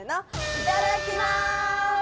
いただきます！